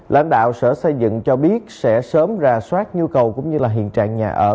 lãnh đạo sở xây dựng cho biết sẽ sớm ra soát nhu cầu cũng như là hiện trạng nhà ở